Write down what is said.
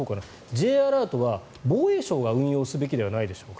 Ｊアラートは防衛省が運用すべきではないでしょうか？